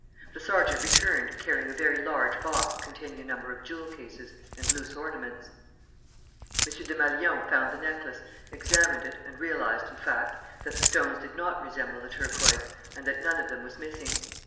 The sergeant returned, carrying a very large box containing a number of jewel cases and loose ornaments. M. Desmalions found the necklace, examined it, and realized, in fact, that the stones did not resemble the turquoise and that none of them was missing.